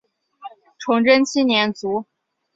崇祯七年卒。